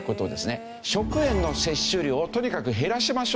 食塩の摂取量をとにかく減らしましょうと。